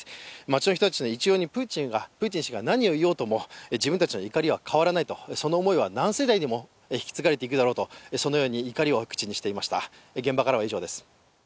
街の人たちは、一様にプーチン氏が何を言おうとも自分たちの怒りは変わらないと、その思いは何世代も引き継がれていくだろうと、そのように怒りを口にしていました。